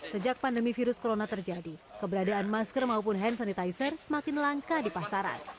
sejak pandemi virus corona terjadi keberadaan masker maupun hand sanitizer semakin langka di pasaran